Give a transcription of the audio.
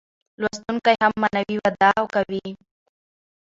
لوستونکی هم معنوي وده کوي.